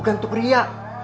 bukan untuk pria